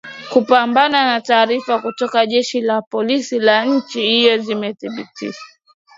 kupambana taarifa kutoka jeshi la polisi la nchi hiyo zimethibitisha